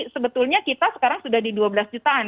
sebetulnya kita sekarang sudah di dua belas jutaan